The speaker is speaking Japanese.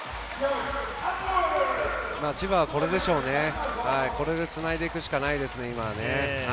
千葉はこれでしょうね、これでつないでいくしかないですね、今は。